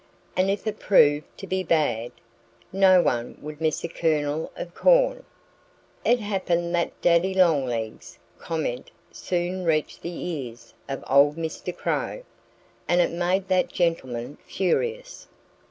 And if it proved to be bad, no one would miss a kernel of corn." It happened that Daddy Longlegs' comment soon reached the ears of old Mr. Crow. And it made that gentleman furious.